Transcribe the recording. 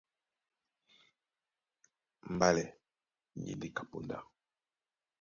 Mbálɛ ni e ndé ka póndá.